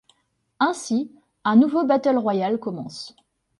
Ainsi, un nouveau Battle Royal commence.